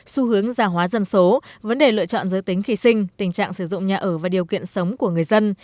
xu hướng gia hóa dân số vấn đề lựa chọn giới tính khi sinh tình trạng sử dụng nhà ở và điều kiện sống của người dân